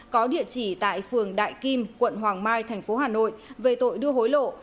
có địa chỉ tại phường đại kim quận hoàng mai tp hà nội về tội đưa hối lộ